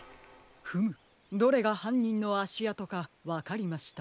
フムどれがはんにんのあしあとかわかりました。